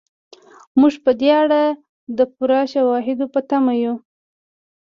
موږ په دې اړه د پوره شواهدو په تمه یو.